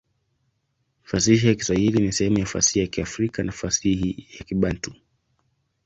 Fasihi ya Kiswahili ni sehemu ya fasihi ya Kiafrika na fasihi ya Kibantu.